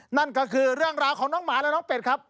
นั่นก็คือเรื่องราวของน้องหมาและน้องเป็ดครับ